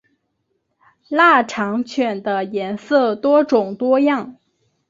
腊肠犬的颜色多种多样。